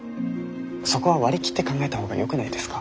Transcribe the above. そこは割り切って考えた方がよくないですか？